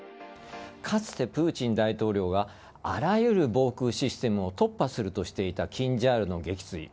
かつて、プーチン大統領があらゆる防空システムを突破するとしていたキンジャールの撃墜。